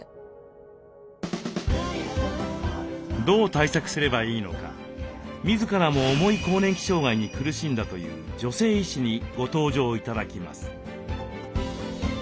どう対策すればいいのか自らも重い更年期障害に苦しんだという女性医師にご登場頂きます。